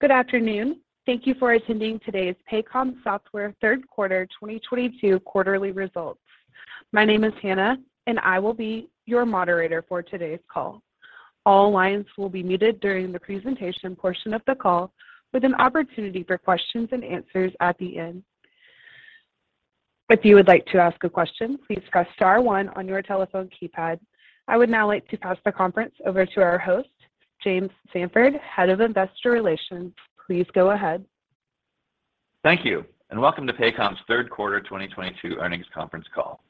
Good afternoon. Thank you for attending today's Paycom Software third quarter 2022 quarterly results. My name is Hannah, and I will be your moderator for today's call. All lines will be muted during the presentation portion of the call, with an opportunity for questions and answers at the end. If you would like to ask a question, please press star one on your telephone keypad. I would now like to pass the conference over to our host, James Samford, Head of Investor Relations. Please go ahead. Thank you, and welcome to Paycom's third quarter 2022 earnings conference call.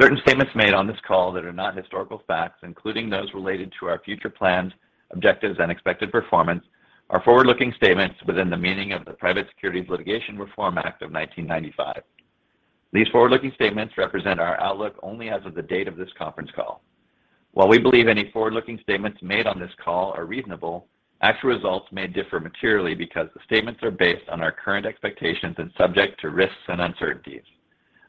Certain statements made on this call that are not historical facts, including those related to our future plans, objectives, and expected performance, are forward-looking statements within the meaning of the Private Securities Litigation Reform Act of 1995. These forward-looking statements represent our outlook only as of the date of this conference call. While we believe any forward-looking statements made on this call are reasonable, actual results may differ materially because the statements are based on our current expectations and subject to risks and uncertainties.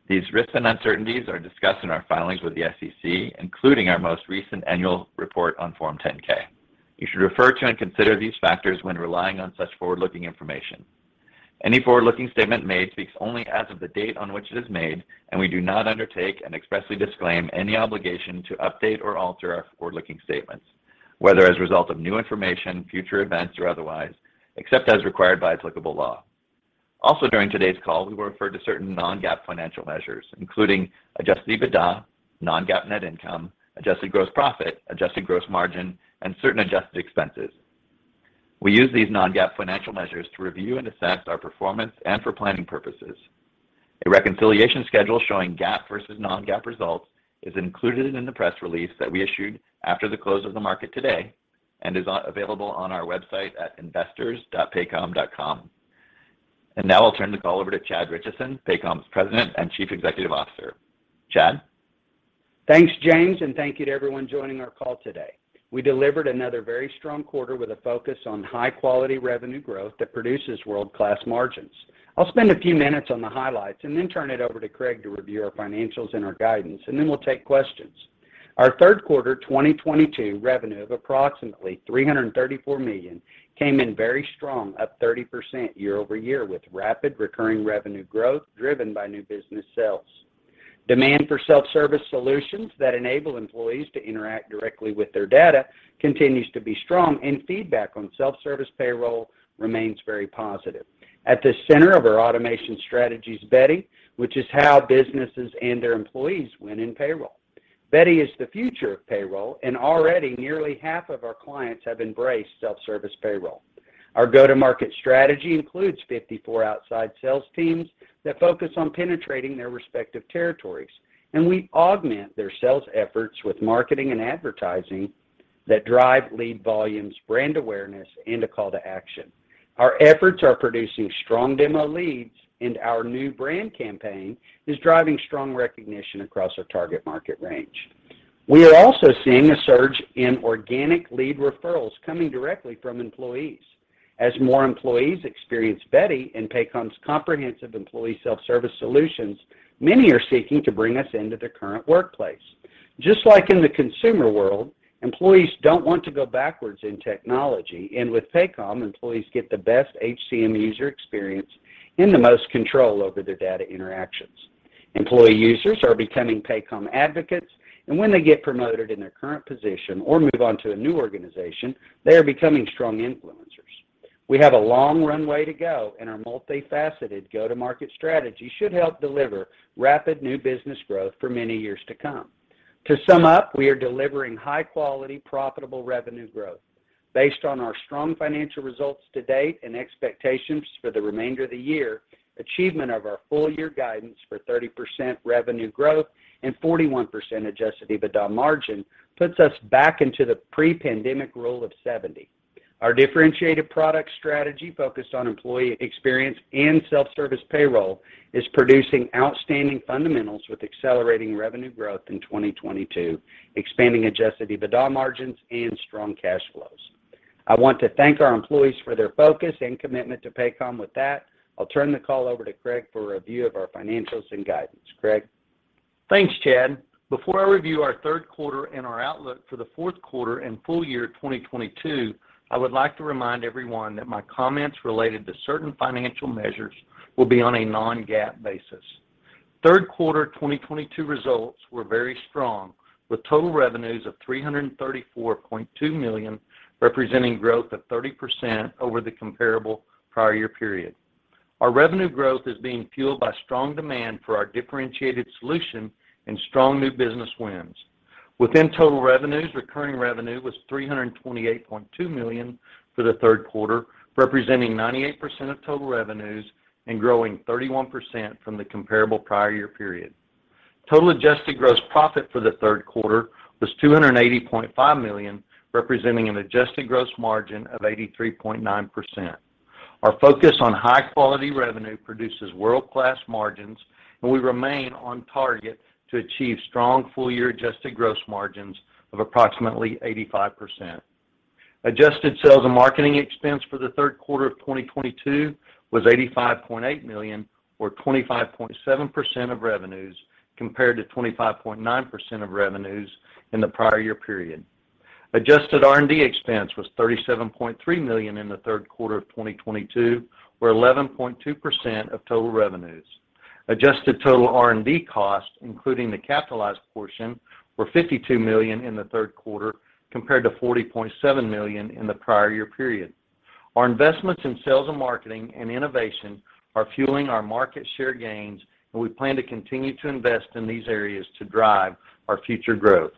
These risks and uncertainties are discussed in our filings with the SEC, including our most recent annual report on Form 10-K. You should refer to and consider these factors when relying on such forward-looking information. Any forward-looking statement made speaks only as of the date on which it is made, and we do not undertake and expressly disclaim any obligation to update or alter our forward-looking statements, whether as a result of new information, future events, or otherwise, except as required by applicable law. Also, during today's call, we will refer to certain non-GAAP financial measures, including adjusted EBITDA, non-GAAP net income, adjusted gross profit, adjusted gross margin, and certain adjusted expenses. We use these non-GAAP financial measures to review and assess our performance and for planning purposes. A reconciliation schedule showing GAAP versus non-GAAP results is included in the press release that we issued after the close of the market today and is available on our website at investors.paycom.com. Now I'll turn the call over to Chad Richison, Paycom's President and Chief Executive Officer. Chad? Thanks, James, and thank you to everyone joining our call today. We delivered another very strong quarter with a focus on high-quality revenue growth that produces world-class margins. I'll spend a few minutes on the highlights and then turn it over to Craig to review our financials and our guidance, and then we'll take questions. Our third quarter 2022 revenue of approximately $334 million came in very strong, up 30% year-over-year, with rapid recurring revenue growth driven by new business sales. Demand for self-service solutions that enable employees to interact directly with their data continues to be strong, and feedback on self-service payroll remains very positive. At the center of our automation strategy is Beti, which is how businesses and their employees win in payroll. Beti is the future of payroll, and already nearly half of our clients have embraced self-service payroll. Our go-to-market strategy includes 54 outside sales teams that focus on penetrating their respective territories, and we augment their sales efforts with marketing and advertising that drive lead volumes, brand awareness, and a call to action. Our efforts are producing strong demo leads, and our new brand campaign is driving strong recognition across our target market range. We are also seeing a surge in organic lead referrals coming directly from employees. As more employees experience Beti and Paycom's comprehensive employee self-service solutions, many are seeking to bring us into their current workplace. Just like in the consumer world, employees don't want to go backwards in technology. With Paycom, employees get the best HCM user experience and the most control over their data interactions. Employee users are becoming Paycom advocates, and when they get promoted in their current position or move on to a new organization, they are becoming strong influencers. We have a long runway to go, and our multifaceted go-to-market strategy should help deliver rapid new business growth for many years to come. To sum up, we are delivering high-quality, profitable revenue growth. Based on our strong financial results to date and expectations for the remainder of the year, achievement of our full year guidance for 30% revenue growth and 41% adjusted EBITDA margin puts us back into the pre-pandemic rule of 70. Our differentiated product strategy focused on employee experience and self-service payroll is producing outstanding fundamentals with accelerating revenue growth in 2022, expanding adjusted EBITDA margins and strong cash flows. I want to thank our employees for their focus and commitment to Paycom. With that, I'll turn the call over to Craig for a review of our financials and guidance. Craig? Thanks, Chad. Before I review our third quarter and our outlook for the fourth quarter and full year 2022, I would like to remind everyone that my comments related to certain financial measures will be on a non-GAAP basis. Third quarter 2022 results were very strong, with total revenues of $334.2 million, representing growth of 30% over the comparable prior year period. Our revenue growth is being fueled by strong demand for our differentiated solution and strong new business wins. Within total revenues, recurring revenue was $328.2 million for the third quarter, representing 98% of total revenues and growing 31% from the comparable prior year period. Total adjusted gross profit for the third quarter was $280.5 million, representing an adjusted gross margin of 83.9%. Our focus on high-quality revenue produces world-class margins, and we remain on target to achieve strong full-year adjusted gross margins of approximately 85%. Adjusted sales and marketing expense for the third quarter of 2022 was $85.8 million, or 25.7% of revenues. Compared to 25.9% of revenues in the prior year period. Adjusted R&D expense was $37.3 million in the third quarter of 2022, or 11.2% of total revenues. Adjusted total R&D costs, including the capitalized portion, were $52 million in the third quarter compared to $40.7 million in the prior year period. Our investments in sales and marketing and innovation are fueling our market share gains, and we plan to continue to invest in these areas to drive our future growth.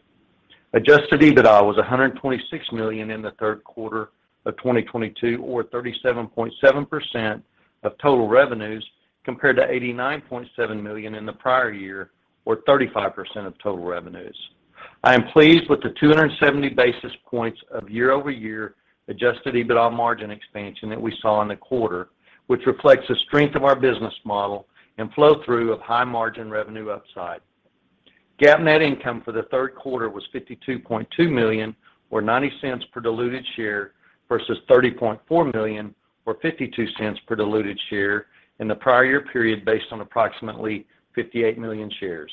Adjusted EBITDA was $126 million in the third quarter of 2022, or 37.7% of total revenues, compared to $89.7 million in the prior year, or 35% of total revenues. I am pleased with the 270 basis points of year-over-year adjusted EBITDA margin expansion that we saw in the quarter, which reflects the strength of our business model and flow-through of high margin revenue upside. GAAP net income for the third quarter was $52.2 million or $0.90 per diluted share versus $30.4 million or $0.52 per diluted share in the prior year period based on approximately 58 million shares.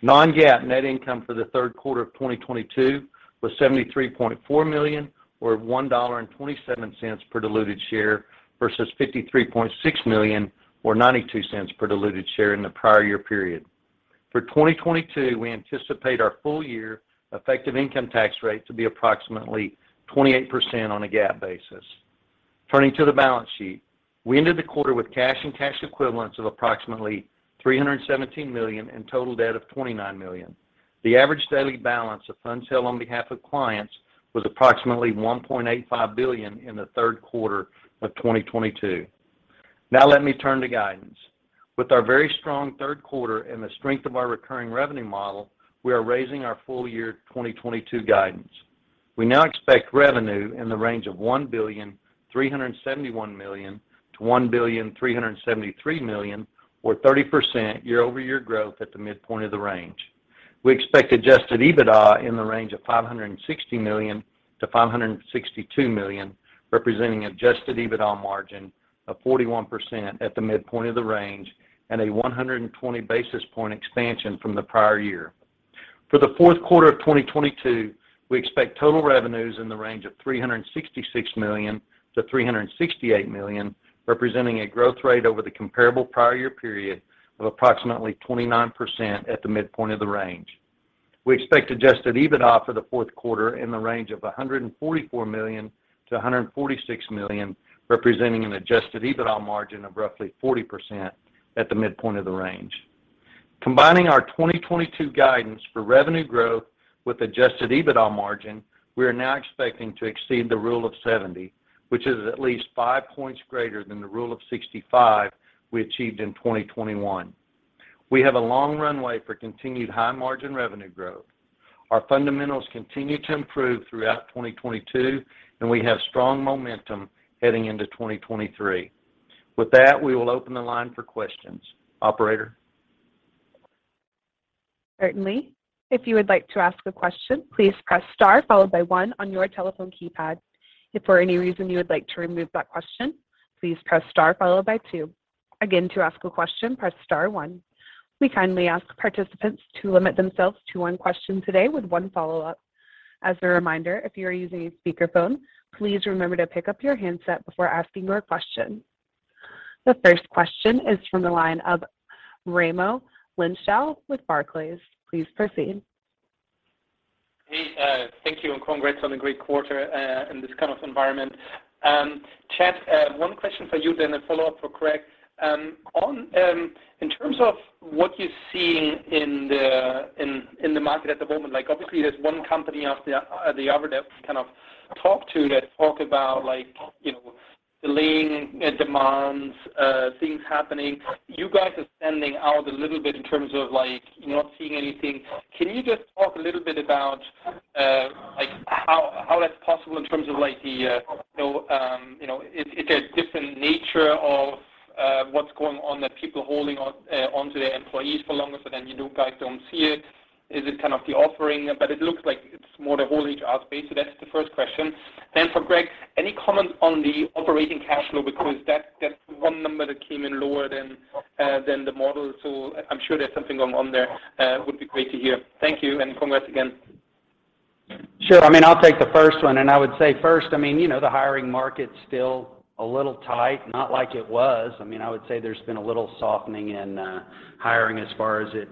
non-GAAP net income for the third quarter of 2022 was $73.4 million or $1.27 per diluted share versus $53.6 million or $0.92 per diluted share in the prior year period. For 2022, we anticipate our full year effective income tax rate to be approximately 28% on a GAAP basis. Turning to the balance sheet. We ended the quarter with cash and cash equivalents of approximately $317 million and total debt of $29 million. The average daily balance of funds held on behalf of clients was approximately $1.85 billion in the third quarter of 2022. Now let me turn to guidance. With our very strong third quarter and the strength of our recurring revenue model, we are raising our full year 2022 guidance. We now expect revenue in the range of $1.371 billion-$1.373 billion or 30% year-over-year growth at the midpoint of the range. We expect adjusted EBITDA in the range of $560 million-$562 million, representing adjusted EBITDA margin of 41% at the midpoint of the range and a 120 basis point expansion from the prior year. For the fourth quarter of 2022, we expect total revenues in the range of $366 million-$368 million, representing a growth rate over the comparable prior year period of approximately 29% at the midpoint of the range. We expect adjusted EBITDA for the fourth quarter in the range of $144 million-$146 million, representing an adjusted EBITDA margin of roughly 40% at the midpoint of the range. Combining our 2022 guidance for revenue growth with adjusted EBITDA margin, we are now expecting to exceed the rule of 70, which is at least five points greater than the rule of 65 we achieved in 2021. We have a long runway for continued high margin revenue growth. Our fundamentals continue to improve throughout 2022, and we have strong momentum heading into 2023. With that, we will open the line for questions. Operator. Certainly. If you would like to ask a question, please press star followed by one on your telephone keypad. If for any reason you would like to remove that question, please press star followed by two. Again, to ask a question, press star one. We kindly ask participants to limit themselves to one question today with one follow-up. As a reminder, if you are using a speakerphone, please remember to pick up your handset before asking your question. The first question is from the line of Raimo Lenschow with Barclays. Please proceed. Hey, thank you, and congrats on a great quarter in this kind of environment. Chad, one question for you, then a follow-up for Craig. On in terms of what you're seeing in the market at the moment, like obviously there's one company after the other that we kind of talk to that talk about like, you know, delaying demands, things happening. You guys are standing out a little bit in terms of like not seeing anything. Can you just talk a little bit about like how that's possible in terms of like the, you know, is there a different nature of what's going on that people holding on onto their employees for longer, so then you guys don't see it? Is it kind of the offering? It looks like it's more the whole HR space. That's the first question. For Craig, any comment on the operating cash flow? Because that's one number that came in lower than the model. I'm sure there's something going on there. Would be great to hear. Thank you, and congrats again. Sure. I mean, I'll take the first one, and I would say first, I mean, you know, the hiring market's still a little tight, not like it was. I mean, I would say there's been a little softening in hiring as far as it,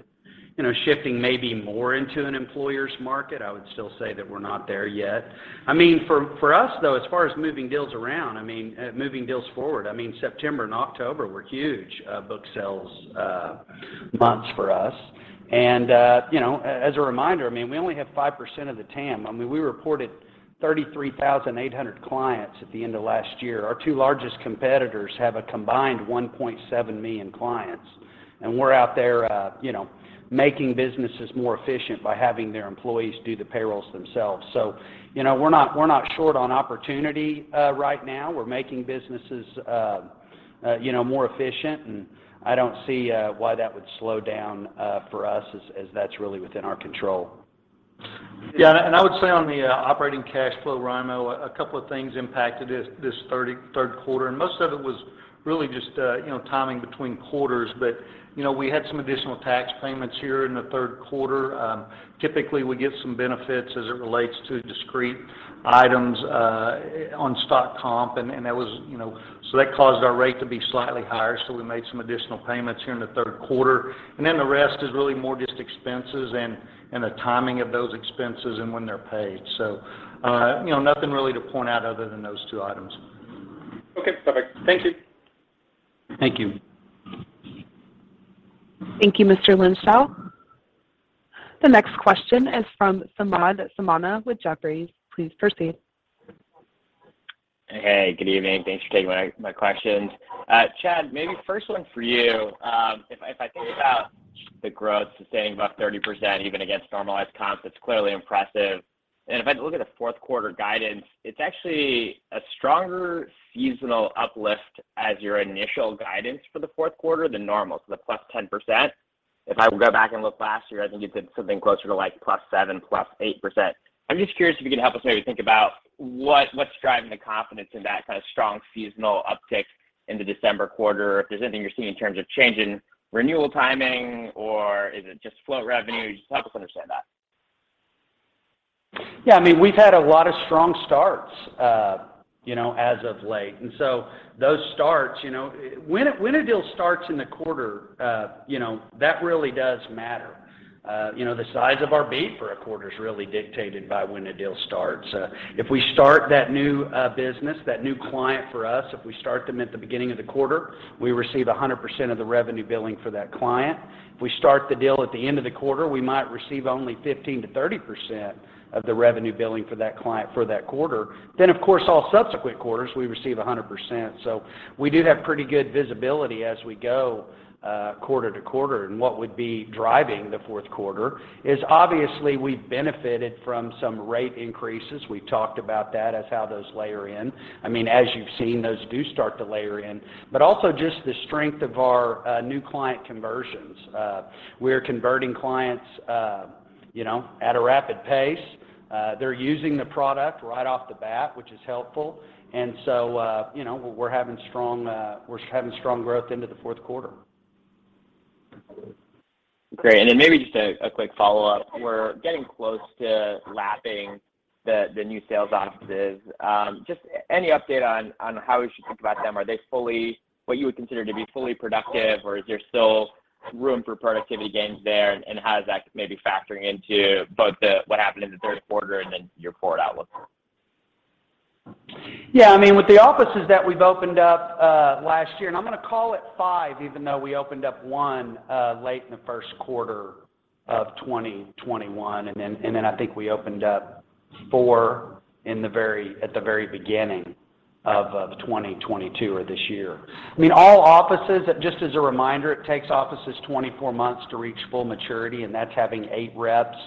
you know, shifting maybe more into an employer's market. I would still say that we're not there yet. I mean, for us, though, as far as moving deals around, I mean, moving deals forward, I mean, September and October were huge book sales months for us. As a reminder, I mean, we only have 5% of the TAM. I mean, we reported 33,800 clients at the end of last year. Our two largest competitors have a combined 1.7 million clients. We're out there, you know, making businesses more efficient by having their employees do the payrolls themselves. You know, we're not short on opportunity right now. We're making businesses, you know, more efficient, and I don't see why that would slow down for us as that's really within our control. Yeah, I would say on the operating cash flow, Raimo, a couple of things impacted this third quarter. Most of it was really just you know, timing between quarters. You know, we had some additional tax payments here in the third quarter. Typically, we get some benefits as it relates to discrete items on stock comp, and that was you know so that caused our rate to be slightly higher, so we made some additional payments here in the third quarter. Then the rest is really more just expenses and the timing of those expenses and when they're paid. You know, nothing really to point out other than those two items. Okay. Perfect. Thank you. Thank you. Thank you, Mr. Lenschow. The next question is from Samad Samana with Jefferies. Please proceed. Hey, good evening. Thanks for taking my questions. Chad, maybe first one for you. If I think about the growth sustaining above 30% even against normalized comps, it's clearly impressive. If I look at the fourth quarter guidance, it's actually a stronger seasonal uplift as your initial guidance for the fourth quarter than normal, so the +10%. If I go back and look last year, I think you did something closer to, like, +7%, +8%. I'm just curious if you could help us maybe think about what's driving the confidence in that kind of strong seasonal uptick in the December quarter. If there's anything you're seeing in terms of change in renewal timing, or is it just float revenue? Just help us understand that. Yeah. I mean, we've had a lot of strong starts, you know, as of late. Those starts, you know. When a deal starts in the quarter, you know, that really does matter. You know, the size of our beat for a quarter is really dictated by when a deal starts. If we start that new business, that new client for us, if we start them at the beginning of the quarter, we receive 100% of the revenue billing for that client. If we start the deal at the end of the quarter, we might receive only 15%-30% of the revenue billing for that client for that quarter. Of course, all subsequent quarters, we receive 100%. We do have pretty good visibility as we go, quarter to quarter. What would be driving the fourth quarter is obviously we've benefited from some rate increases. We've talked about that as how those layer in. I mean, as you've seen, those do start to layer in, but also just the strength of our new client conversions. We're converting clients, you know, at a rapid pace. They're using the product right off the bat, which is helpful. You know, we're having strong growth into the fourth quarter. Great. Maybe just a quick follow-up. We're getting close to lapping the new sales offices. Just any update on how we should think about them? Are they fully what you would consider to be fully productive, or is there still room for productivity gains there? How is that maybe factoring into both what happened in the third quarter and then your forward outlook? Yeah. I mean, with the offices that we've opened up last year, and I'm gonna call it five, even though we opened up one late in the first quarter of 2021, and then I think we opened up four in the very beginning of 2022 or this year. I mean, all offices, just as a reminder, it takes offices 24 months to reach full maturity, and that's having eight reps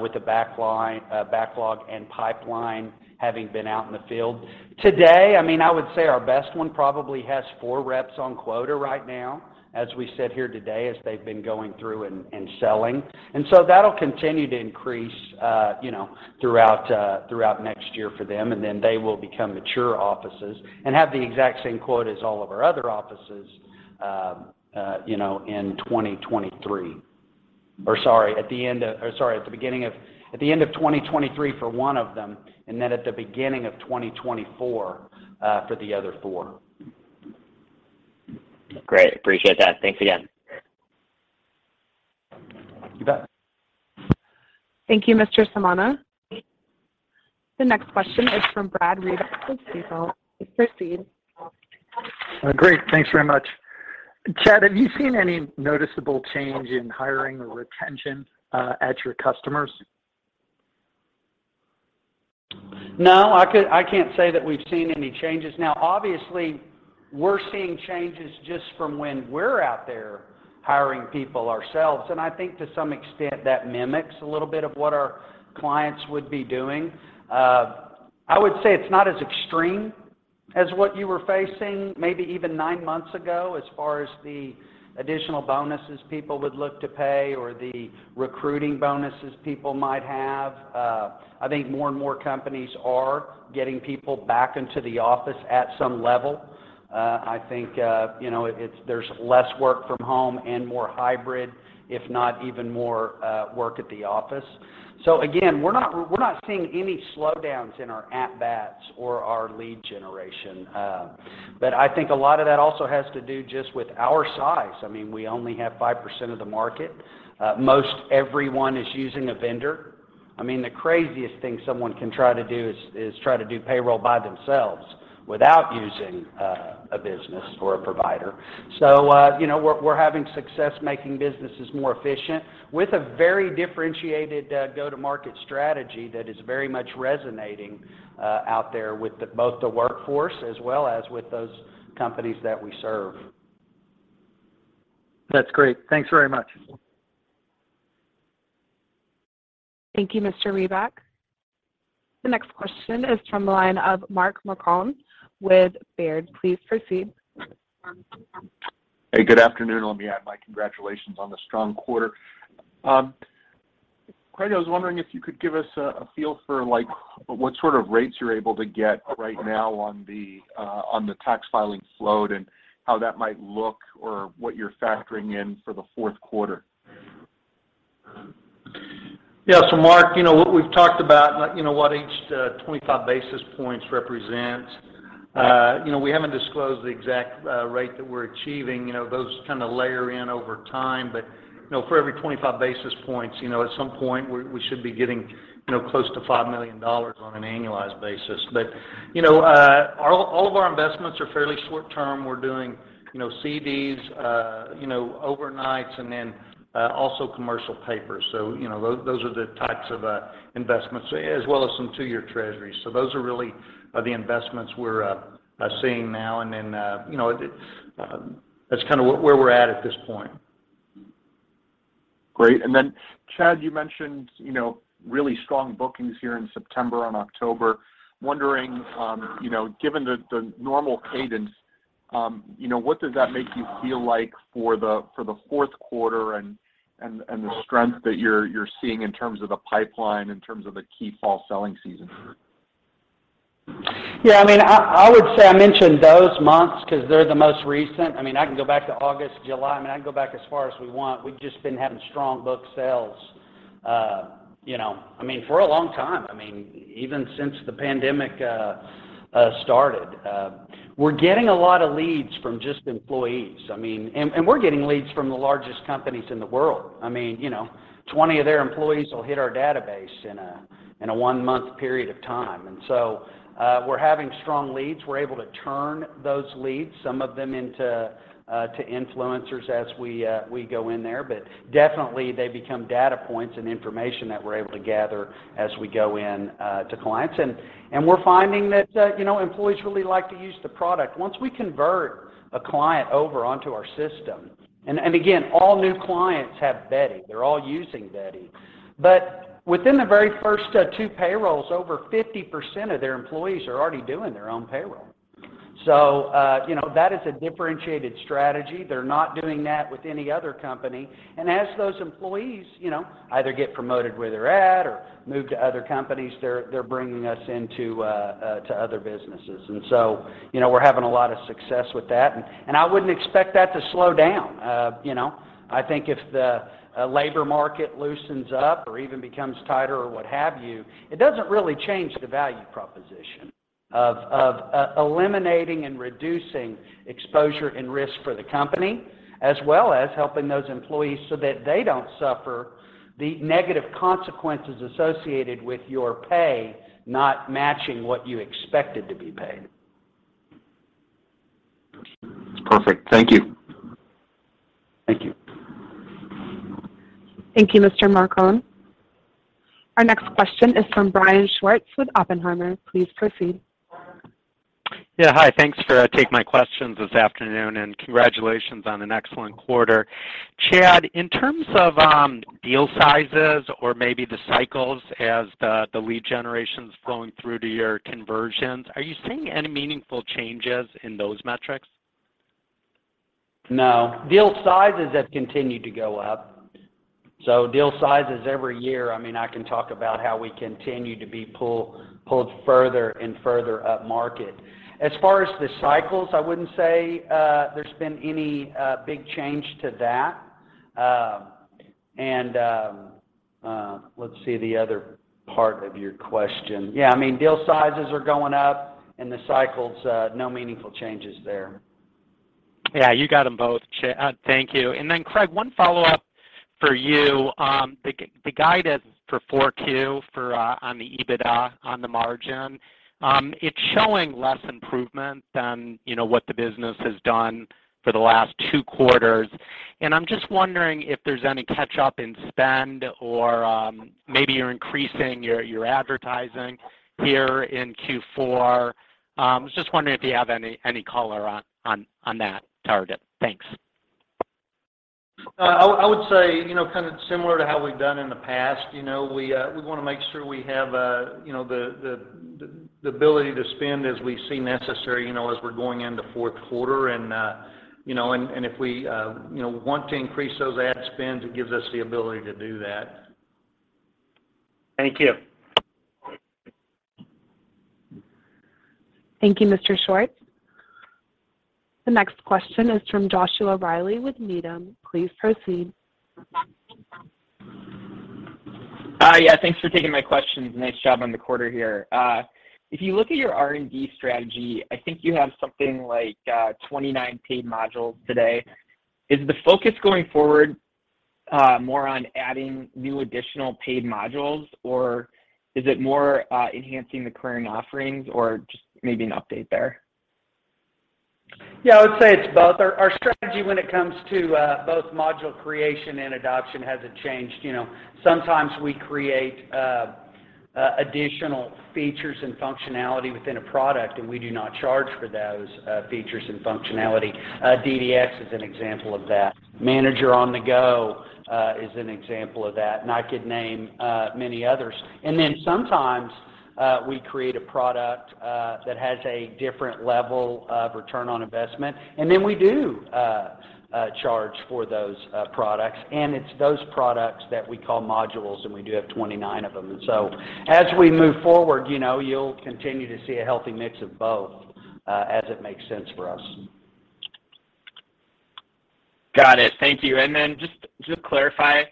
with a backline backlog and pipeline having been out in the field. Today, I mean, I would say our best one probably has four reps on quota right now, as we sit here today, as they've been going through and selling. That'll continue to increase, you know, throughout next year for them, and then they will become mature offices and have the exact same quota as all of our other offices, you know, in 2023. At the end of 2023 for one of them, and then at the beginning of 2024 for the other four. Great. Appreciate that. Thanks again. You bet. Thank you, Mr. Samana. The next question is from Brad Reback with Stifel. Please proceed. Great. Thanks very much. Chad, have you seen any noticeable change in hiring or retention at your customers? No. I can't say that we've seen any changes. Now, obviously, we're seeing changes just from when we're out there hiring people ourselves. I think to some extent that mimics a little bit of what our clients would be doing. I would say it's not as extreme as what you were facing maybe even nine months ago as far as the additional bonuses people would look to pay or the recruiting bonuses people might have. I think more and more companies are getting people back into the office at some level. I think, you know, it's, there's less work from home and more hybrid, if not even more, work at the office. Again, we're not seeing any slowdowns in our at-bats or our lead generation. I think a lot of that also has to do just with our size. I mean, we only have 5% of the market. Most everyone is using a vendor. I mean, the craziest thing someone can try to do is try to do payroll by themselves without using a business or a provider. You know, we're having success making businesses more efficient with a very differentiated go-to-market strategy that is very much resonating out there with both the workforce as well as with those companies that we serve. That's great. Thanks very much. Thank you, Mr. Reback. The next question is from the line of Mark Marcon with Baird. Please proceed. Hey, good afternoon. Let me add my congratulations on the strong quarter. Craig, I was wondering if you could give us a feel for like what sort of rates you're able to get right now on the tax filing float and how that might look or what you're factoring in for the fourth quarter. Yeah. Mark, you know what we've talked about, like you know what each 25 basis points represents. You know, we haven't disclosed the exact rate that we're achieving. You know, those kind of layer in over time. You know, for every 25 basis points, you know, at some point we should be getting, you know, close to $5 million on an annualized basis. You know, all of our investments are fairly short term. We're doing, you know, CDs, you know, overnights and then also commercial papers. You know, those are the types of investments, as well as some two-year treasuries. Those are really the investments we're seeing now. You know, that's kind of where we're at at this point. Great. Then Chad, you mentioned, you know, really strong bookings here in September and October. Wondering, you know, given the normal cadence, you know, what does that make you feel like for the fourth quarter and the strength that you're seeing in terms of the pipeline, in terms of the key fall selling season? Yeah, I mean, I would say I mentioned those months 'cause they're the most recent. I mean, I can go back to August, July. I mean, I can go back as far as we want. We've just been having strong book sales, you know. I mean, for a long time, I mean, even since the pandemic started. We're getting a lot of leads from just employees. I mean, we're getting leads from the largest companies in the world. I mean, you know, 20 of their employees will hit our database in a one-month period of time. We're having strong leads. We're able to turn those leads, some of them into influencers as we go in there. Definitely they become data points and information that we're able to gather as we go in to clients. We're finding that you know, employees really like to use the product. Once we convert a client over onto our system, and again, all new clients have Beti. They're all using Beti. Within the very first two payrolls, over 50% of their employees are already doing their own payroll. You know, that is a differentiated strategy. They're not doing that with any other company. As those employees you know, either get promoted where they're at or move to other companies, they're bringing us into to other businesses. You know, we're having a lot of success with that. I wouldn't expect that to slow down. You know, I think if the labor market loosens up or even becomes tighter or what have you, it doesn't really change the value proposition of eliminating and reducing exposure and risk for the company, as well as helping those employees so that they don't suffer the negative consequences associated with your pay not matching what you expected to be paid. Perfect. Thank you. Thank you. Thank you, Mr. Marcon. Our next question is from Brian Schwartz with Oppenheimer. Please proceed. Yeah. Hi. Thanks for taking my questions this afternoon, and congratulations on an excellent quarter. Chad, in terms of deal sizes or maybe the cycles as the lead generation's flowing through to your conversions, are you seeing any meaningful changes in those metrics? No. Deal sizes have continued to go up. Deal sizes every year, I mean, I can talk about how we continue to be pulled further and further up market. As far as the cycles, I wouldn't say there's been any big change to that. Let's see the other part of your question. Yeah, I mean, deal sizes are going up, and the cycles, no meaningful changes there. Yeah, you got them both, thank you. Then Craig, one follow-up for you. The guidance for Q4 on the EBITDA margin, it's showing less improvement than, you know, what the business has done for the last two quarters. I'm just wondering if there's any catch-up in spend or, maybe you're increasing your advertising here in Q4. I was just wondering if you have any color on that target. Thanks. I would say, you know, kind of similar to how we've done in the past, you know, we wanna make sure we have, you know, the ability to spend as we see necessary, you know, as we're going into fourth quarter. You know, and if we you know, want to increase those ad spends, it gives us the ability to do that. Thank you. Thank you, Mr. Schwartz. The next question is from Joshua Reilly with Needham. Please proceed. Hi. Yeah, thanks for taking my questions. Nice job on the quarter here. If you look at your R&D strategy, I think you have something like, 29 paid modules today. Is the focus going forward, more on adding new additional paid modules, or is it more, enhancing the current offerings, or just maybe an update there? Yeah, I would say it's both. Our strategy when it comes to both module creation and adoption hasn't changed, you know. Sometimes we create additional features and functionality within a product, and we do not charge for those features and functionality. DDX is an example of that. Manager on-the-Go is an example of that, and I could name many others. Sometimes we create a product that has a different level of return on investment, and then we do charge for those products. It's those products that we call modules, and we do have 29 of them. As we move forward, you know, you'll continue to see a healthy mix of both, as it makes sense for us. Got it. Thank you. Just to clarify,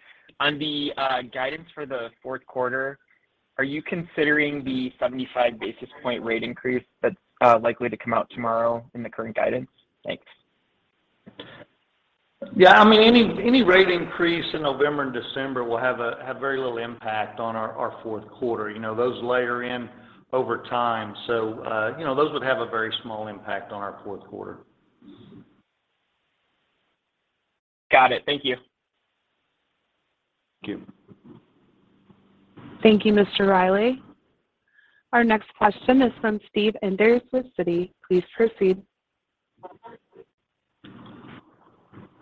on the guidance for the fourth quarter, are you considering the 75 basis point rate increase that's likely to come out tomorrow in the current guidance? Thanks. Yeah. I mean, any rate increase in November and December will have very little impact on our fourth quarter. You know, those layer in over time. You know, those would have a very small impact on our fourth quarter. Got it. Thank you. Thank you. Thank you, Mr. Reilly. Our next question is from Steve Enders with Citi. Please proceed.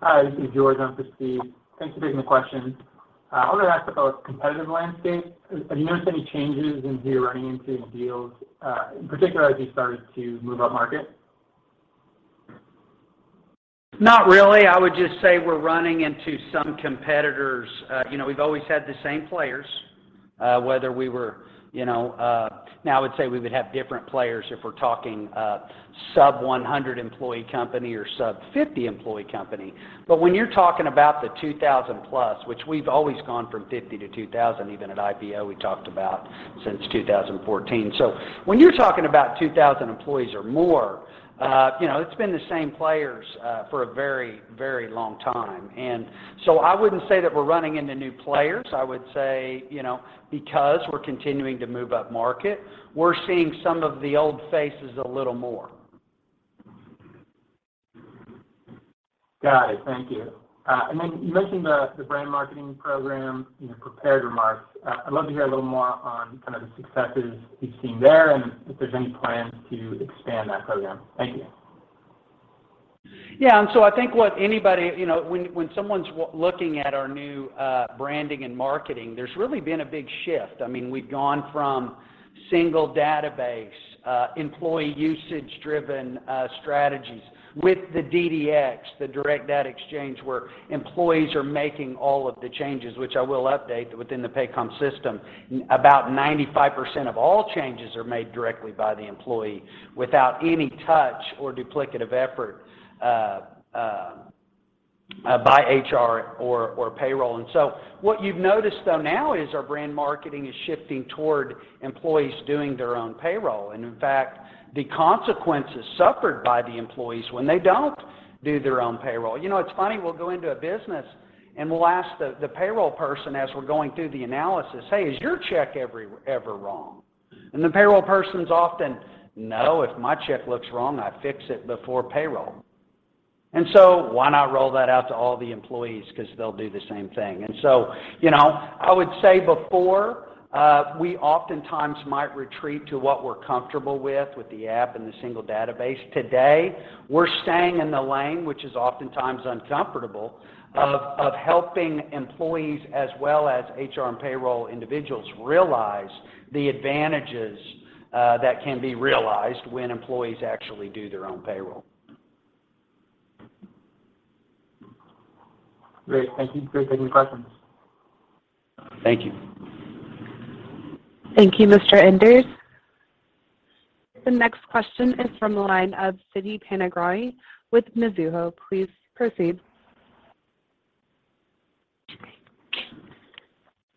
Hi, this is George. I'm with Steve. Thanks for taking the question. I wanted to ask about competitive landscape. Have you noticed any changes as you're running into deals, in particular as you started to move up market? Not really. I would just say we're running into some competitors. You know, we've always had the same players, whether we were, you know. Now, I would say we would have different players if we're talking a sub 100 employee company or sub 50 employee company. But when you're talking about the 2,000+, which we've always gone from 50 to 2,000, even at IPO, we talked about since 2014. So when you're talking about 2,000 employees or more, you know, it's been the same players for a very, very long time. I wouldn't say that we're running into new players. I would say, you know, because we're continuing to move up market, we're seeing some of the old faces a little more. Got it. Thank you. You mentioned the brand marketing program in your prepared remarks. I'd love to hear a little more on kind of the successes you've seen there and if there's any plans to expand that program. Thank you. Yeah. I think what anybody, you know, when someone's looking at our new branding and marketing, there's really been a big shift. I mean, we've gone from single database, employee usage-driven strategies with the DDX, the Direct Data Exchange, where employees are making all of the changes, which I will update within the Paycom system. About 95% of all changes are made directly by the employee without any touch or duplicative effort by HR or payroll. What you've noticed though now is our brand marketing is shifting toward employees doing their own payroll, and in fact, the consequences suffered by the employees when they don't do their own payroll. You know, it's funny, we'll go into a business, and we'll ask the payroll person as we're going through the analysis, "Hey, is your check ever wrong?" The payroll person's often, "No. If my check looks wrong, I fix it before payroll." Why not roll that out to all the employees 'cause they'll do the same thing. You know, I would say before, we oftentimes might retreat to what we're comfortable with the app and the single database. Today, we're staying in the lane, which is oftentimes uncomfortable of helping employees as well as HR and payroll individuals realize the advantages that can be realized when employees actually do their own payroll. Great. Thank you. Thank you. Thank you, Mr. Enders. The next question is from the line of Siti Panigrahi with Mizuho. Please proceed.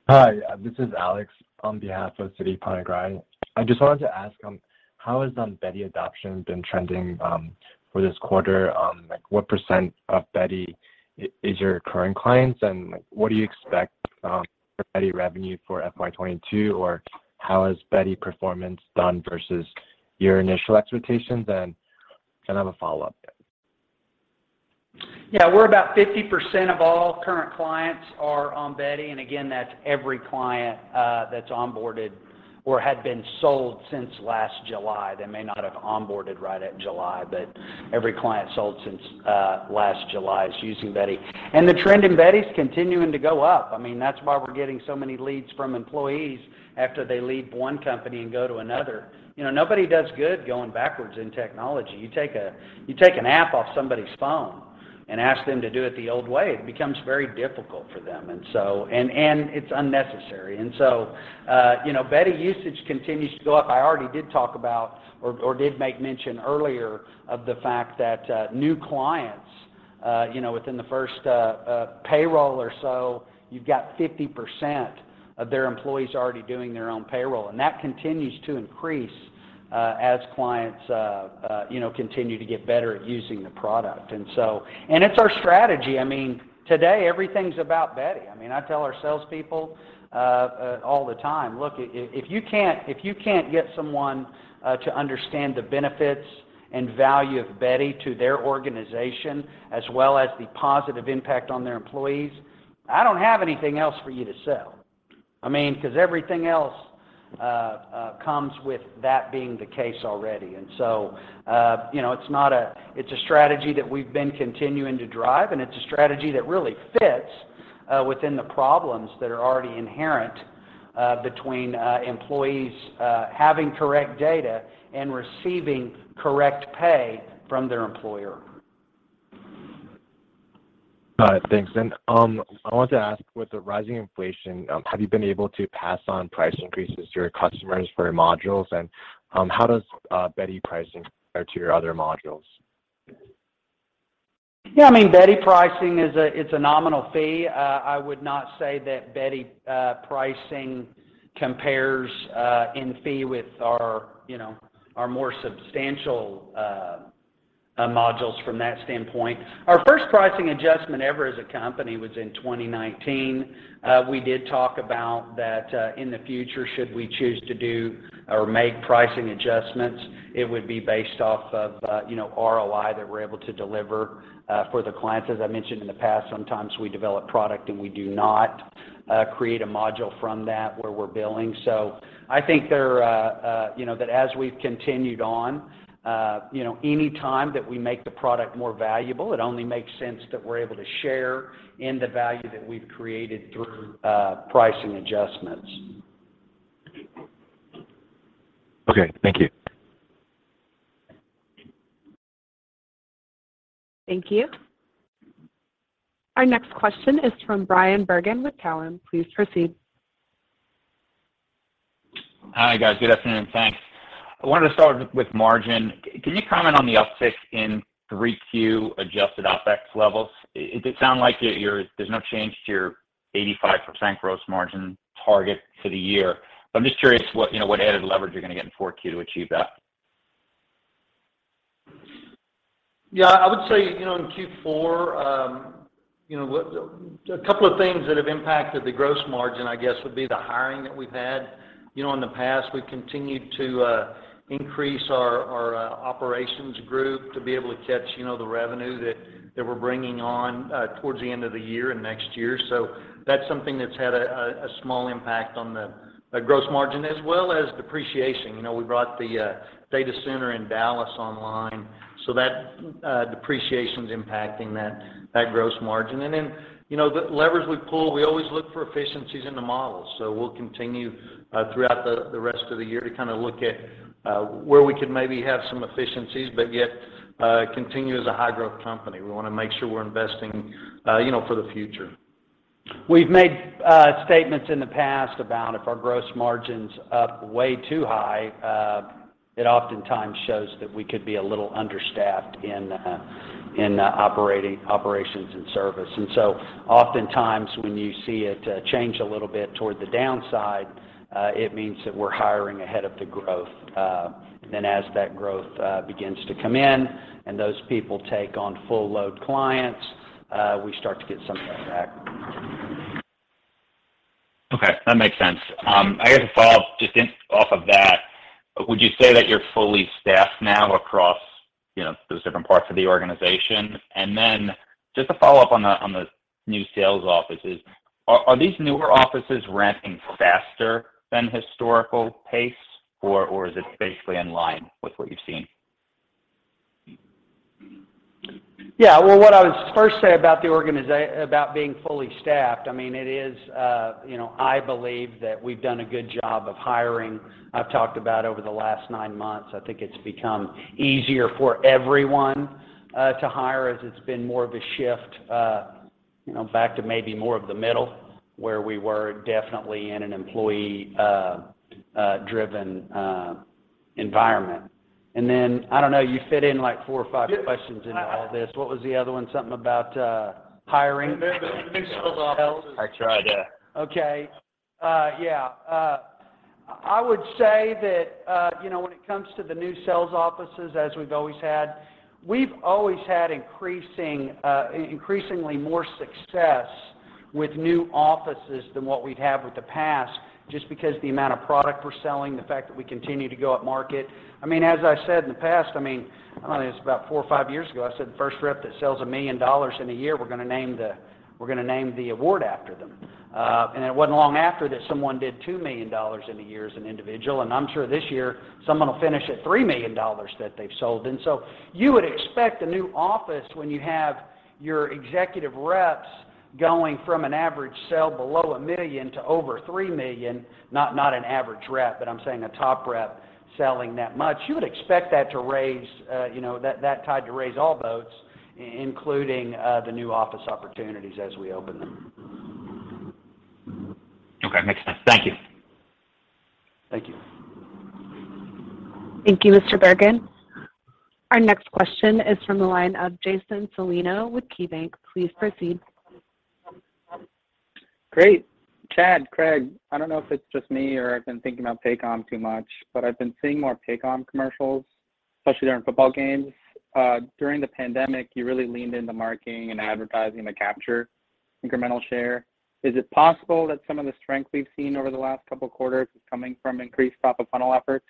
Hi. This is Alex Zukin on behalf of Siti Panigrahi. I just wanted to ask how has Beti adoption been trending for this quarter? Like, what % of your current clients is Beti, and what do you expect for Beti revenue for FY 2022, or how has Beti performance done versus your initial expectations? I have a follow-up. Yeah. We're about 50% of all current clients are on Beti, and again, that's every client, that's onboarded or had been sold since last July. They may not have onboarded right at July, but every client sold since last July is using Beti. The trend in Beti is continuing to go up. I mean, that's why we're getting so many leads from employees after they leave one company and go to another. You know, nobody does good going backwards in technology. You take an app off somebody's phone and ask them to do it the old way, it becomes very difficult for them. And it's unnecessary. You know, Beti usage continues to go up. I already did talk about or did make mention earlier of the fact that new clients, you know, within the first payroll or so, you've got 50% of their employees already doing their own payroll. That continues to increase as clients you know continue to get better at using the product. It's our strategy. I mean, today everything's about Beti. I mean, I tell our salespeople all the time, "Look, if you can't get someone to understand the benefits and value of Beti to their organization as well as the positive impact on their employees, I don't have anything else for you to sell." I mean, because everything else comes with that being the case already. You know, it's a strategy that we've been continuing to drive, and it's a strategy that really fits within the problems that are already inherent between employees having correct data and receiving correct pay from their employer. All right. Thanks. I wanted to ask, with the rising inflation, have you been able to pass on price increases to your customers for your modules? How does Beti pricing compare to your other modules? Yeah, I mean, Beti pricing is a nominal fee. I would not say that Beti pricing compares in fee with our, you know, our more substantial modules from that standpoint. Our first pricing adjustment ever as a company was in 2019. We did talk about that, in the future, should we choose to do or make pricing adjustments, it would be based off of, you know, ROI that we're able to deliver for the clients. As I mentioned in the past, sometimes we develop product, and we do not create a module from that where we're billing. I think there, you know, that as we've continued on, you know, any time that we make the product more valuable, it only makes sense that we're able to share in the value that we've created through pricing adjustments. Okay, thank you. Thank you. Our next question is from Bryan Bergin with Cowen. Please proceed. Hi, guys. Good afternoon. Thanks. I wanted to start with margin. Can you comment on the uptick in 3Q adjusted OpEx levels? It did sound like you're—there's no change to your 85% gross margin target for the year. I'm just curious what, you know, what added leverage you're gonna get in 4Q to achieve that. Yeah, I would say, you know, in Q4, a couple of things that have impacted the gross margin, I guess, would be the hiring that we've had. You know, in the past, we've continued to increase our operations group to be able to catch, you know, the revenue that we're bringing on towards the end of the year and next year. So that's something that's had a small impact on the gross margin as well as depreciation. You know, we brought the data center in Dallas online, so that depreciation is impacting that gross margin. Then, you know, the levers we pull, we always look for efficiencies in the models. We'll continue throughout the rest of the year to kinda look at where we could maybe have some efficiencies, but yet continue as a high-growth company. We wanna make sure we're investing you know for the future. We've made statements in the past about if our gross margin's up way too high it oftentimes shows that we could be a little understaffed in operations and service. Oftentimes, when you see it change a little bit toward the downside it means that we're hiring ahead of the growth. And then as that growth begins to come in and those people take on full load clients we start to get some of that back. Okay, that makes sense. I guess a follow-up just off of that, would you say that you're fully staffed now across, you know, those different parts of the organization? Then just to follow up on the new sales offices, are these newer offices ramping faster than historical pace or is it basically in line with what you've seen? Yeah. Well, what I would first say about being fully staffed, I mean, it is, you know, I believe that we've done a good job of hiring. I've talked about over the last nine months, I think it's become easier for everyone to hire as it's been more of a shift, you know, back to maybe more of the middle where we were definitely in an employee driven environment. I don't know, you fit in like four or five questions into all this. What was the other one? Something about hiring? New sales offices. I tried, yeah. Okay. Yeah. I would say that, you know, when it comes to the new sales offices, as we've always had, we've always had increasingly more success with new offices than what we'd have with the past just because the amount of product we're selling, the fact that we continue to go up market. I mean, as I said in the past, I mean, I think it's about four or five years ago, I said, the first rep that sells $1 million in a year, we're gonna name the award after them. It wasn't long after that someone did $2 million in a year as an individual. I'm sure this year, someone will finish at $3 million that they've sold. You would expect a new office when you have your executive reps going from an average sale below $1 million to over $3 million, not an average rep, but I'm saying a top rep selling that much. You would expect that to raise, you know, that tide to raise all boats, including the new office opportunities as we open them. Okay. Makes sense. Thank you. Thank you. Thank you, Mr. Bergin. Our next question is from the line of Jason Celino with KeyBank. Please proceed. Great. Chad, Craig, I don't know if it's just me or I've been thinking about Paycom too much, but I've been seeing more Paycom commercials, especially during football games. During the pandemic, you really leaned into marketing and advertising to capture incremental share. Is it possible that some of the strength we've seen over the last couple quarters is coming from increased top-of-funnel efforts?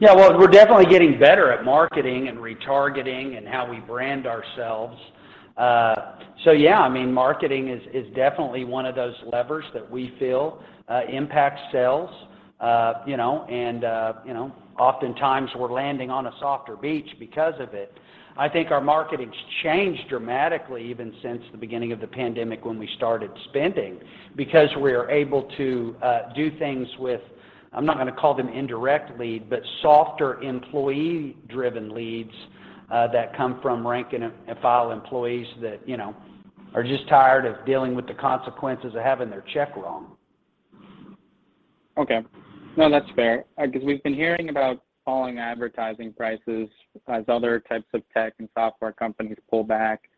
Yeah, well, we're definitely getting better at marketing and retargeting and how we brand ourselves. So yeah, I mean, marketing is definitely one of those levers that we feel impacts sales. You know, oftentimes we're landing on a softer beach because of it. I think our marketing's changed dramatically even since the beginning of the pandemic when we started spending, because we're able to do things with. I'm not gonna call them indirect lead, but softer employee-driven leads that come from rank and file employees that, you know, are just tired of dealing with the consequences of having their check wrong. Okay. No, that's fair. 'Cause we've been hearing about falling advertising prices as other types of tech and software companies pull back.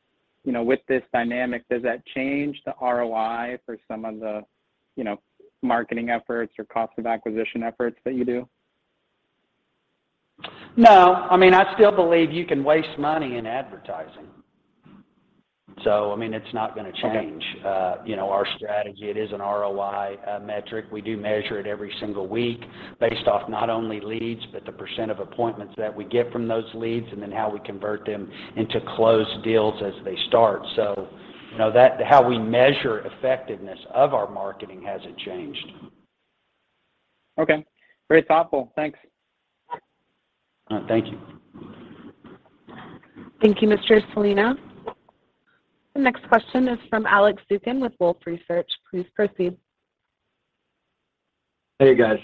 You know, with this dynamic, does that change the ROI for some of the, you know, marketing efforts or cost of acquisition efforts that you do? No. I mean, I still believe you can waste money in advertising. I mean, it's not gonna change. Okay You know, our strategy. It is an ROI metric. We do measure it every single week based off not only leads, but the percent of appointments that we get from those leads, and then how we convert them into closed deals as they stand. You know, that's how we measure effectiveness of our marketing hasn't changed. Okay. Very thoughtful. Thanks. All right. Thank you. Thank you, Mr. Celino. The next question is from Alex Zukin with Wolfe Research. Please proceed. Hey, guys.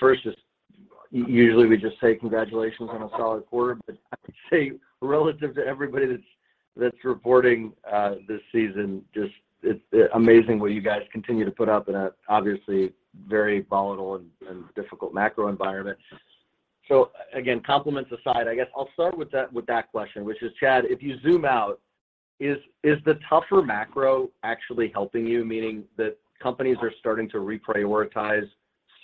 First just usually we just say congratulations on a solid quarter, but I would say relative to everybody that's reporting this season, just it's amazing what you guys continue to put up in a obviously very volatile and difficult macro environment. Again, compliments aside, I guess I'll start with that question, which is, Chad, if you zoom out, is the tougher macro actually helping you? Meaning that companies are starting to reprioritize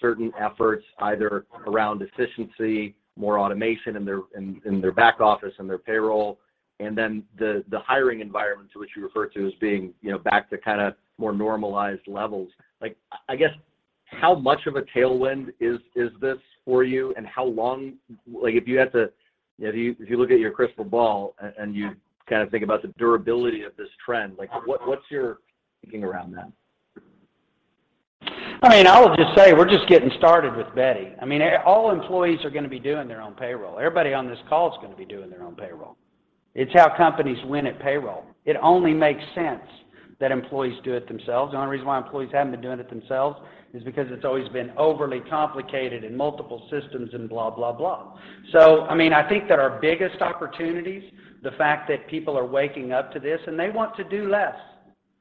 certain efforts, either around efficiency, more automation in their back office and their payroll, and then the hiring environment to which you refer to as being, you know, back to kinda more normalized levels. Like, I guess, how much of a tailwind is this for you and how long. Like, if you had to. If you look at your crystal ball and you kinda think about the durability of this trend, like what's your thinking around that? I mean, I'll just say we're just getting started with Beti. I mean, all employees are gonna be doing their own payroll. Everybody on this call is gonna be doing their own payroll. It's how companies win at payroll. It only makes sense that employees do it themselves. The only reason why employees haven't been doing it themselves is because it's always been overly complicated in multiple systems and blah, blah. I mean, I think that our biggest opportunities, the fact that people are waking up to this, and they want to do less.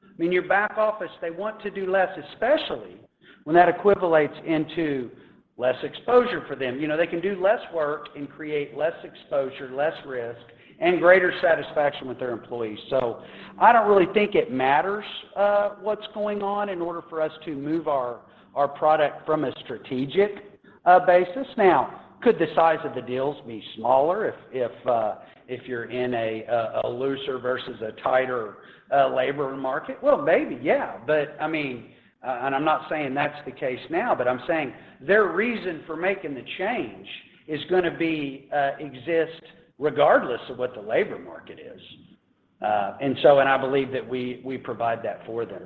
I mean, your back office, they want to do less, especially when that equates into less exposure for them. You know, they can do less work and create less exposure, less risk, and greater satisfaction with their employees. I don't really think it matters what's going on in order for us to move our product from a strategic basis. Now, could the size of the deals be smaller if you're in a looser versus a tighter labor market? Well, maybe, yeah. I mean, and I'm not saying that's the case now, but I'm saying their reason for making the change is gonna exist regardless of what the labor market is. I believe that we provide that for them.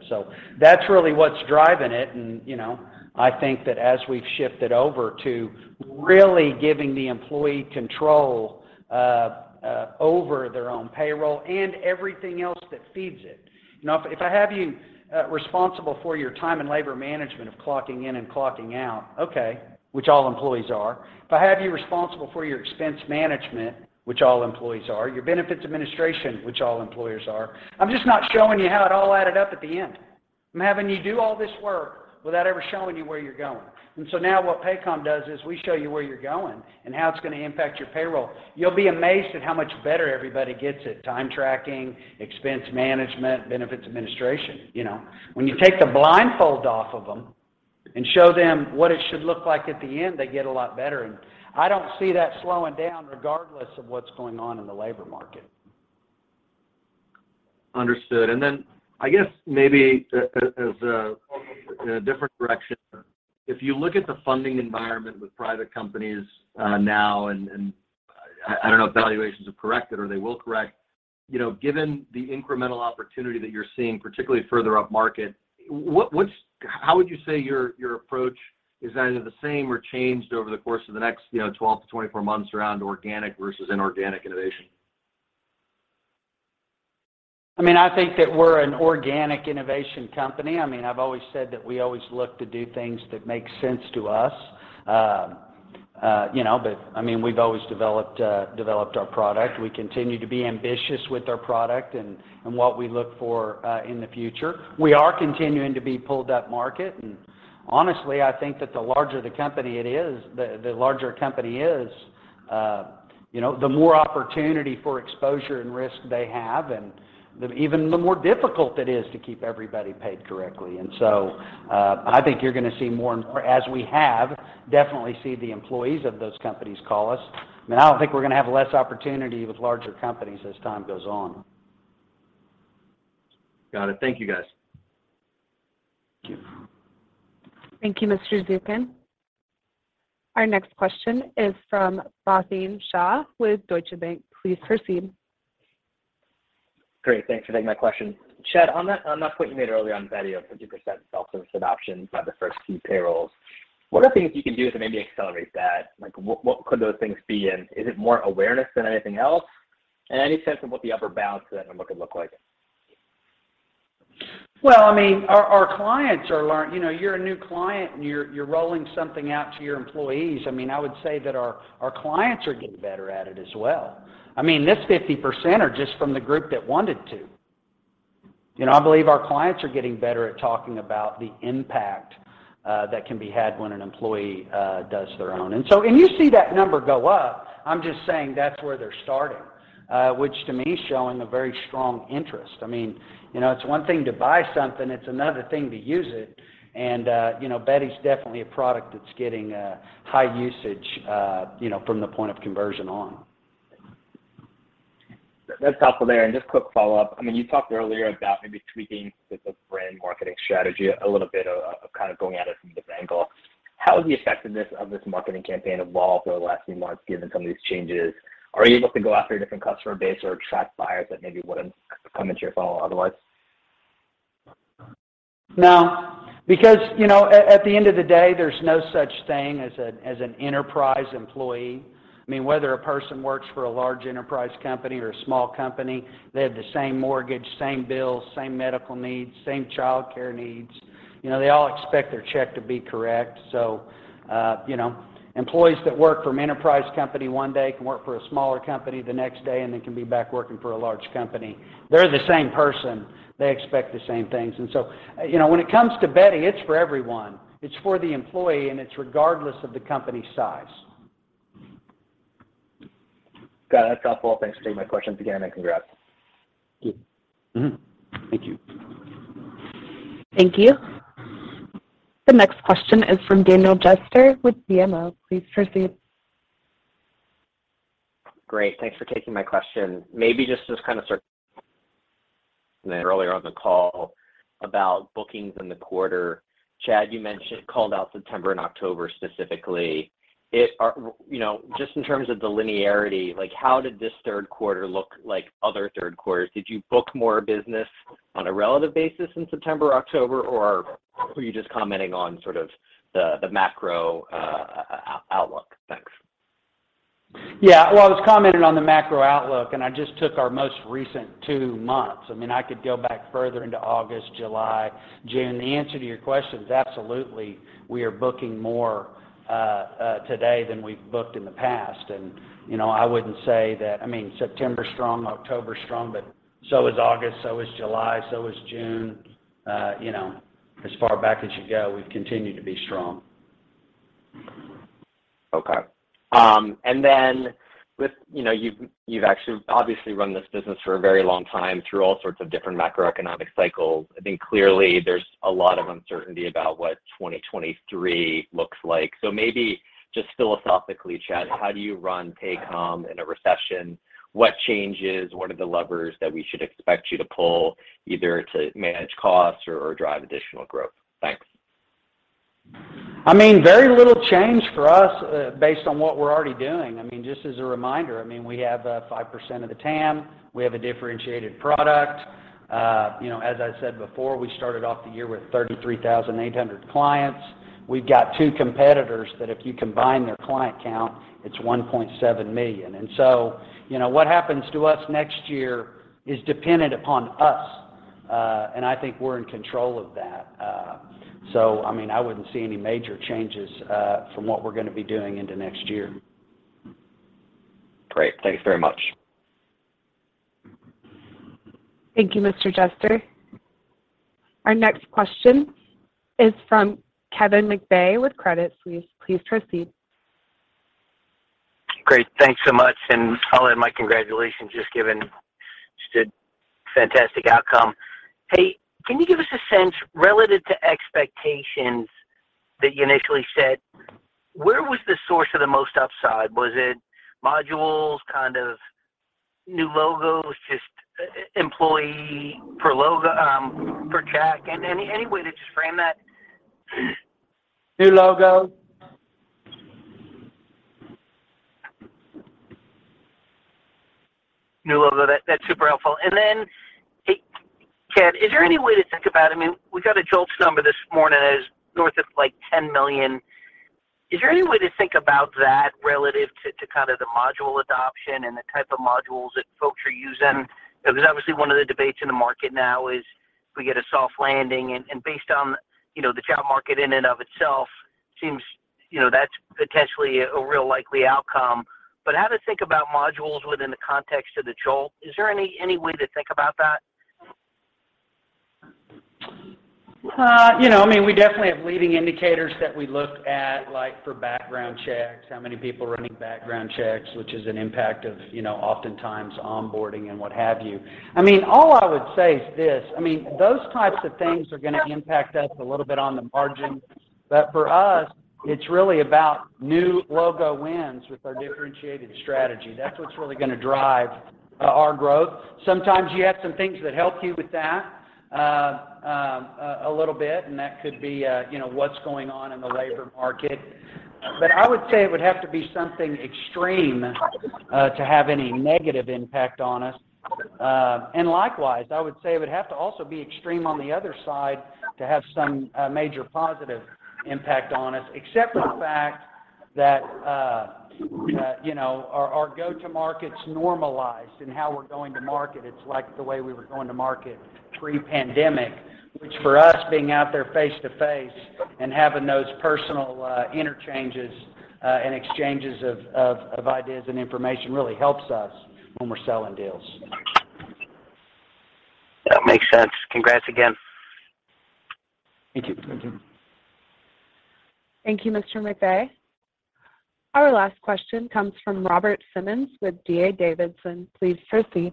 That's really what's driving it and, you know, I think that as we've shifted over to really giving the employee control over their own payroll and everything else that feeds it. You know, if I have you responsible for your time and labor management of clocking in and clocking out, okay, which all employees are, if I have you responsible for your expense management, which all employees are, your benefits administration, which all employers are, I'm just not showing you how it all added up at the end. I'm having you do all this work without ever showing you where you're going. Now what Paycom does is we show you where you're going and how it's gonna impact your payroll. You'll be amazed at how much better everybody gets at time tracking, expense management, benefits administration. You know, when you take the blindfold off of them and show them what it should look like at the end, they get a lot better, and I don't see that slowing down regardless of what's going on in the labor market. Understood. I guess maybe as in a different direction, if you look at the funding environment with private companies now, I don't know if valuations have corrected or they will correct, you know, given the incremental opportunity that you're seeing, particularly further up market, how would you say your approach is either the same or changed over the course of the next, you know, 12-24 months around organic versus inorganic innovation? I mean, I think that we're an organic innovation company. I mean, I've always said that we always look to do things that make sense to us. I mean, we've always developed our product. We continue to be ambitious with our product and what we look for in the future. We are continuing to be pulled up market, and honestly, I think that the larger the company it is, the larger a company is, the more opportunity for exposure and risk they have, and even the more difficult it is to keep everybody paid correctly. I think you're gonna see more and more, as we have, definitely see the employees of those companies call us. I mean, I don't think we're gonna have less opportunity with larger companies as time goes on. Got it. Thank you, guys. Thank you, Mr. Zukin. Our next question is from Bhavin Shah with Deutsche Bank. Please proceed. Great. Thanks for taking my question. Chad, on that, on that point you made earlier on Beti of 50% self-service adoption by the first few payrolls, what are things you can do to maybe accelerate that? Like, what could those things be? And is it more awareness than anything else? And any sense of what the upper bounds to that number could look like? You know, you're a new client, and you're rolling something out to your employees. I mean, I would say that our clients are getting better at it as well. I mean, 50% are just from the group that wanted to. You know, I believe our clients are getting better at talking about the impact that can be had when an employee does their own. You see that number go up. I'm just saying that's where they're starting, which to me is showing a very strong interest. I mean, you know, it's one thing to buy something, it's another thing to use it. You know, Beti's definitely a product that's getting high usage, you know, from the point of conversion on. That's helpful there. Just quick follow-up. I mean, you talked earlier about maybe tweaking the brand marketing strategy a little bit of kind of going at it from a different angle. How has the effectiveness of this marketing campaign evolved over the last few months given some of these changes? Are you able to go after a different customer base or attract buyers that maybe wouldn't come into your funnel otherwise? No, because, you know, at the end of the day, there's no such thing as an enterprise employee. I mean, whether a person works for a large enterprise company or a small company, they have the same mortgage, same bills, same medical needs, same childcare needs. You know, they all expect their check to be correct. So, you know, employees that work from enterprise company one day can work for a smaller company the next day, and they can be back working for a large company. They're the same person. They expect the same things. You know, when it comes to Beti, it's for everyone. It's for the employee, and it's regardless of the company size. Got it. That's helpful. Thanks for taking my questions again, and congrats. Mm-hmm. Thank you. Thank you. The next question is from Daniel Jester with BMO. Please proceed. Great. Thanks for taking my question. Maybe just kind of start earlier on the call about bookings in the quarter. Chad, you mentioned, called out September and October specifically. You know, just in terms of the linearity, like, how did this third quarter look like other third quarters? Did you book more business on a relative basis in September or October, or were you just commenting on sort of the macro outlook? Thanks. Yeah. Well, I was commenting on the macro outlook, and I just took our most recent two months. I mean, I could go back further into August, July, June. The answer to your question is absolutely, we are booking more today than we've booked in the past. You know, I wouldn't say that. I mean, September's strong, October's strong, but so is August, so is July, so is June. You know, as far back as you go, we've continued to be strong. Okay. With, you know, you've actually obviously run this business for a very long time through all sorts of different macroeconomic cycles. I think clearly there's a lot of uncertainty about what 2023 looks like. Maybe just philosophically, Chad, how do you run Paycom in a recession? What changes? What are the levers that we should expect you to pull either to manage costs or drive additional growth? Thanks. I mean, very little change for us, based on what we're already doing. I mean, just as a reminder, I mean, we have, 5% of the TAM. We have a differentiated product. You know, as I said before, we started off the year with 33,800 clients. We've got two competitors that if you combine their client count, it's 1.7 million. You know, what happens to us next year is dependent upon us, and I think we're in control of that. I mean, I wouldn't see any major changes, from what we're gonna be doing into next year. Great. Thank you very much. Thank you, Mr. Jester. Our next question is from Kevin McVeigh with Credit Suisse. Please proceed. Great. Thanks so much, and I'll add my congratulations, just given a fantastic outcome. Hey, can you give us a sense relative to expectations that you initially set, where was the source of the most upside? Was it modules, kind of new logos, just employee per logo, per check? Any way to just frame that? New logos. New logo. That's super helpful. Then, hey, Chad, is there any way to think about. I mean, we got a JOLTS number this morning as north of, like, 10 million. Is there any way to think about that relative to kind of the module adoption and the type of modules that folks are using? Because obviously, one of the debates in the market now is we get a soft landing, and based on, you know, the job market in and of itself seems, you know, that's potentially a real likely outcome. How to think about modules within the context of the JOLTS, is there any way to think about that? You know, I mean, we definitely have leading indicators that we look at, like for background checks, how many people are running background checks, which is an impact of, you know, oftentimes onboarding and what have you. I mean, all I would say is this. Those types of things are gonna impact us a little bit on the margin. For us, it's really about new logo wins with our differentiated strategy. That's what's really gonna drive our growth. Sometimes you have some things that help you with that a little bit, and that could be, you know, what's going on in the labor market. I would say it would have to be something extreme to have any negative impact on us. Likewise, I would say it would have to also be extreme on the other side to have some major positive impact on us, except for the fact that you know our go-to-market's normalized in how we're going to market. It's like the way we were going to market pre-pandemic, which for us being out there face-to-face and having those personal interchanges and exchanges of ideas and information really helps us when we're selling deals. That makes sense. Congrats again. Thank you. Thank you. Thank you, Mr. McVeigh. Our last question comes from Robert Simmons with D.A. Davidson. Please proceed.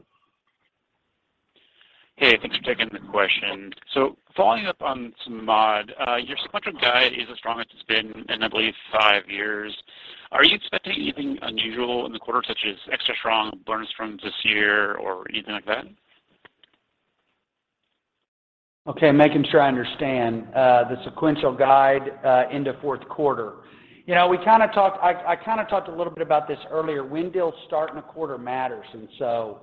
Hey, thanks for taking the question. Following up on some model, your sequential guidance is as strong as it's been in, I believe, five years. Are you expecting anything unusual in the quarter, such as extra strong earnings from this year or anything like that? Okay, making sure I understand. The sequential guide into fourth quarter. You know, we kinda talked. I kinda talked a little bit about this earlier. When deals start in a quarter matters, and so,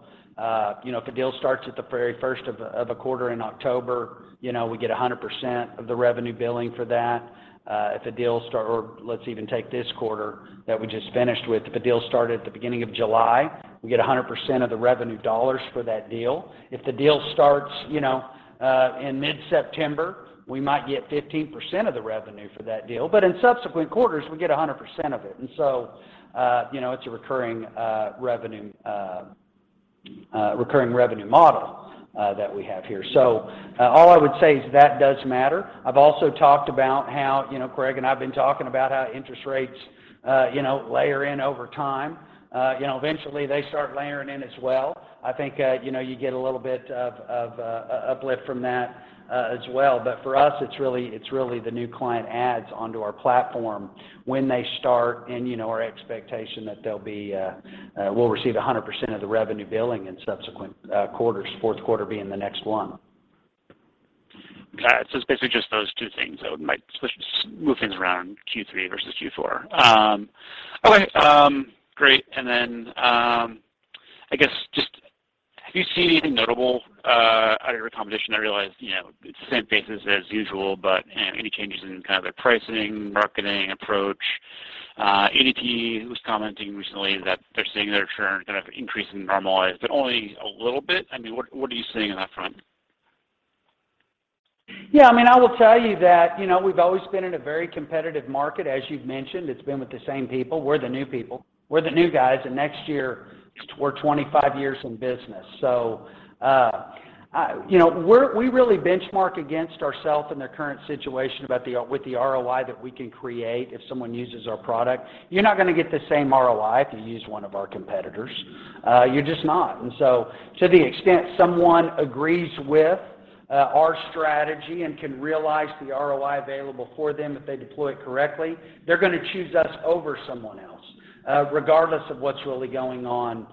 you know, if a deal starts at the very first of a quarter in October, you know, we get 100% of the revenue billing for that. Let's even take this quarter that we just finished with. If a deal started at the beginning of July, we get 100% of the revenue dollars for that deal. If the deal starts, you know, in mid-September, we might get 15% of the revenue for that deal. In subsequent quarters, we get 100% of it. You know, it's a recurring revenue model that we have here. All I would say is that does matter. I've also talked about how, you know, Craig and I've been talking about how interest rates, you know, layer in over time. You know, eventually they start layering in as well. I think, you know, you get a little bit of uplift from that, as well. For us, it's really the new client adds onto our platform when they start and, you know, our expectation that they'll be, we'll receive 100% of the revenue billing in subsequent quarters, fourth quarter being the next one. Got it. It's basically just those two things that might switch, move things around Q3 versus Q4. Okay. Great. I guess just have you seen anything notable out of your competition? I realize, you know, it's the same faces as usual, but any changes in kind of their pricing, marketing approach? ADP was commenting recently that they're seeing their churn kind of increase and normalize, but only a little bit. I mean, what are you seeing on that front? Yeah. I mean, I will tell you that, you know, we've always been in a very competitive market. As you've mentioned, it's been with the same people. We're the new people. We're the new guys, and next year is we're 25 years in business. So, you know, we really benchmark against ourself in the current situation with the ROI that we can create if someone uses our product. You're not gonna get the same ROI if you use one of our competitors. You're just not. To the extent someone agrees with our strategy and can realize the ROI available for them if they deploy it correctly, they're gonna choose us over someone else, regardless of what's really going on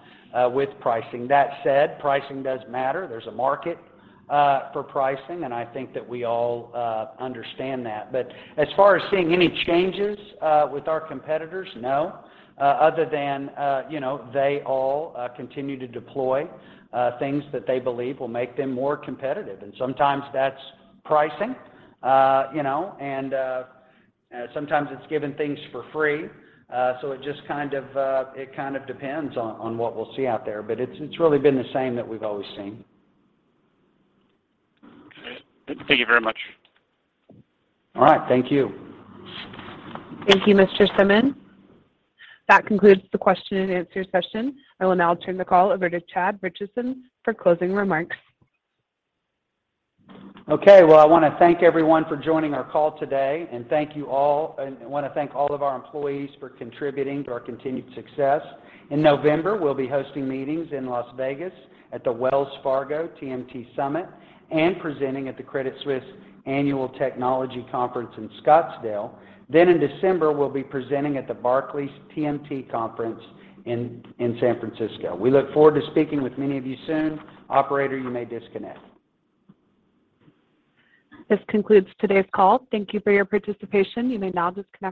with pricing. That said, pricing does matter. There's a market for pricing, and I think that we all understand that. As far as seeing any changes with our competitors, no, other than you know they all continue to deploy things that they believe will make them more competitive. Sometimes that's pricing, you know, and sometimes it's giving things for free. It just kind of depends on what we'll see out there, but it's really been the same that we've always seen. Great. Thank you very much. All right. Thank you. Thank you, Mr. Simmons. That concludes the question and answer session. I will now turn the call over to Chad Richison for closing remarks. Okay. Well, I wanna thank everyone for joining our call today, and thank you all, and I wanna thank all of our employees for contributing to our continued success. In November, we'll be hosting meetings in Las Vegas at the Wells Fargo TMT Summit and presenting at the Credit Suisse Annual Technology Conference in Scottsdale. In December, we'll be presenting at the Barclays TMT Conference in San Francisco. We look forward to speaking with many of you soon. Operator, you may disconnect. This concludes today's call. Thank you for your participation. You may now disconnect.